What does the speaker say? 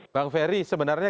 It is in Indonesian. bang ferry sebenarnya